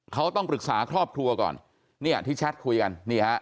เขาต้องปรึกษาครอบครัวก่อนเนี่ยที่แชทคุยกันนี่ฮะ